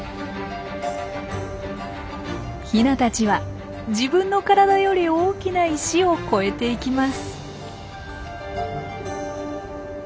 ヒナたちは自分の体より大きな石を越えていきます。